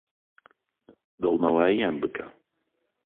دڵنەوایییان بکە.